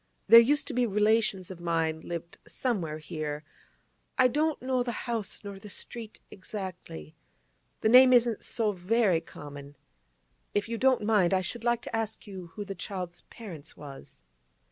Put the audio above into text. There used to be relations of mine lived somewhere here; I don't know the house, nor the street exactly. The name isn't so very common. If you don't mind, I should like to ask you who the child's parents was.